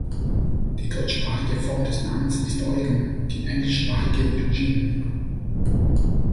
Die deutschsprachige Form des Namens ist Eugen, die englischsprachige Eugene.